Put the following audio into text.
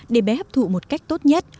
để bé hấp thụ một cách tốt nhất